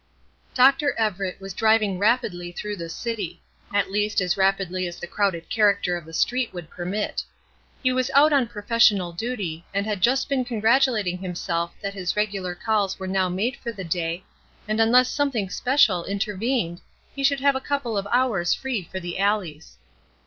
Dr. Everett was driving rapidly through the city; at least, as rapidly as the crowded character of the street would permit. He was out on professional duty, and had just been congratulating himself that his regular calls were now made for the day, and unless something special intervened he should have a couple of hours free for the alleys.